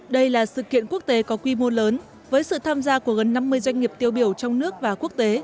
đây là sự kiện quốc tế có quy mô lớn với sự tham gia của gần năm mươi doanh nghiệp tiêu biểu trong nước và quốc tế